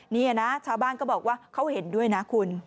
นี่นะชาวบ้านก็บอกว่าเขาเห็นด้วยนะคุณ